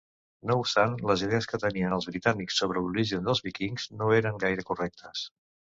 No obstant, les idees que tenien els britànics sobre l'origen dels víkings no eren gaire correctes.